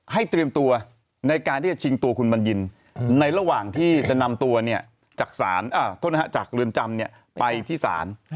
ให้เตรียมตัวในการที่จะชิงตัวคุณบัญญิน